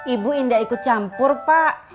ibu indah ikut campur pak